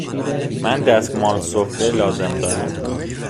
من دستمال سفره لازم دارم.